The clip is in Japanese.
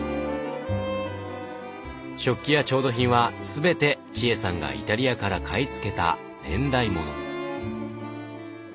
食器や調度品は全て千恵さんがイタリアから買い付けた年代もの。